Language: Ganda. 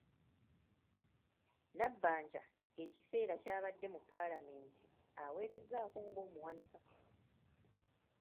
Nabbanja ekiseera ky’abadde mu Paalamenti aweerezzaako ng’omuwanika.